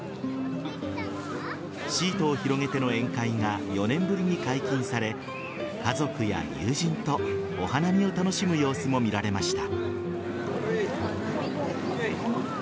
シートを広げての宴会が４年ぶりに解禁され家族や友人とお花見を楽しむ様子も見られました。